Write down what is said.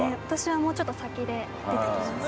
私はもうちょっと先で出てきます。